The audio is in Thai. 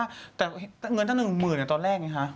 เนื้อตั้งแต่หนึ่งหมื่นอะตอนแรกเนี่ยฮะ